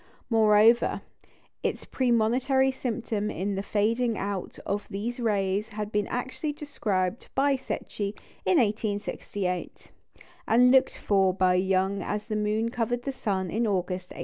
Moreover, its premonitory symptom in the fading out of these rays had been actually described by Secchi in 1868, and looked for by Young as the moon covered the sun in August 1869.